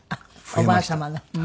おばあ様の？